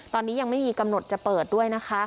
ตอนนี้ยังไม่มีกำหนดจะเปิดด้วยนะคะ